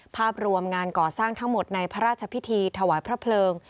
ภาพรวมงานก่อสร้างทั้งหมดในพระราชพิธีถวายพระเพลิง